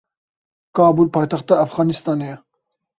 Kabûl paytexta Efxanistanê ye.